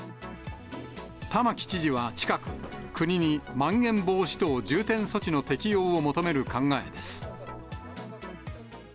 玉城知事は近く、国にまん延防止等重点措置の適用を求める考えです。